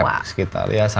tapi waktu ini kita udah udah